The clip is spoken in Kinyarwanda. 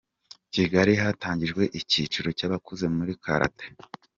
Kigali Hatangijwe icyiciro cy’abakuze muri karate